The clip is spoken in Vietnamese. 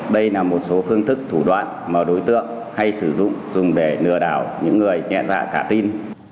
đây là một số phương thức thủ đoạn mà đối tượng hay sử dụng dùng để lừa đảo những người nhẹ dạ cả tin